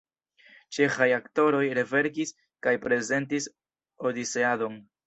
Ĉeĥaj aktoroj reverkis kaj prezentis Odiseadon.